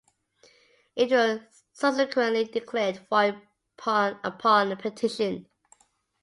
It was subsequently declared void upon petition.